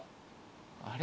あれ？